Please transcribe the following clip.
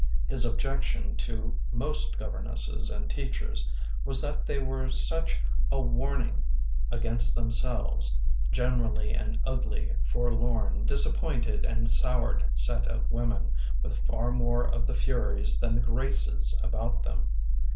His objection to most governesses and teachers was that they were such a warning against themselves ; generally, an ugly, forlorn, disappointed, and soured set of women with far more of the furies than the graces about them.